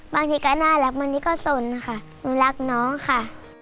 บางทีก็น่ารักบางทีก็สนค่ะหนูรักน้องค่ะ